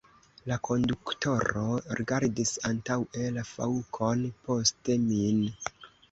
La konduktoro rigardis antaŭe la faŭkon, poste min.